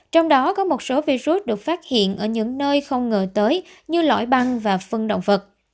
trong đó có một số virus được phát hiện ở những nơi không ngờ tới như lõi băng và phân động vật